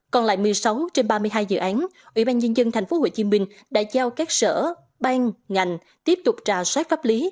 còn lại một mươi sáu trên ba mươi hai dự án ubnd tp hcm đã giao các sở ban ngành tiếp tục trà sát pháp lý